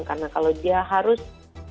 karena kalau dia harus bermobilisasi